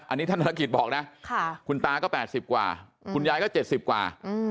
อันนี้ท่านธนกิจบอกนะคุณตาก็๘๐กว่าคุณยายก็๗๐กว่า